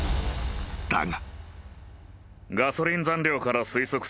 だが］